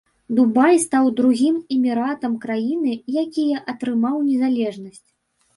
Дубай стаў другім эміратам краіны, якія атрымаў незалежнасць.